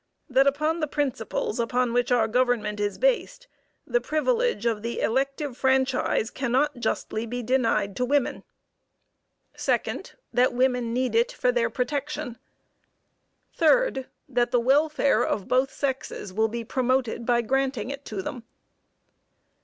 That upon the principles upon which our government is based, the privilege of the elective franchise cannot justly be denied to women. 2d. That women need it for their protection. 3d. That the welfare of both sexes will be promoted by granting it to them.